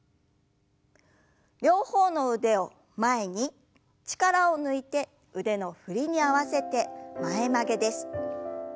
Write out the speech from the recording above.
両方の腕を前に力を抜いて腕の振りに合わせて前曲げです。